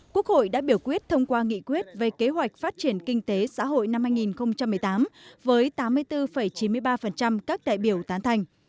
quốc hội đã biểu quyết thông qua nghị quyết về kế hoạch phát triển kinh tế xã hội năm hai nghìn một mươi tám với tám mươi bốn chín mươi ba các đại biểu tán thành